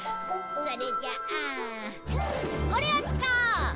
それじゃあこれを使おう！